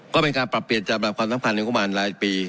ก็เป็นการปรับเปลี่ยนจำแบบความทำทำทำในงบมารหลายปี